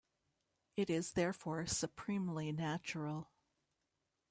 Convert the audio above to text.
It is therefore supremely natural.